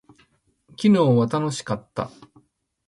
昨日は楽しかった。